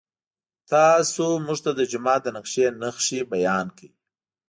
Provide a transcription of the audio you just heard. تاسو موږ ته د جومات د نقشې نښې بیان کړئ.